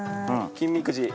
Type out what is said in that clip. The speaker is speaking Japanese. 金みくじ。